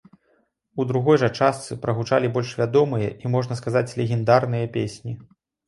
У другой жа частцы прагучалі больш вядомыя і можна сказаць легендарныя песні.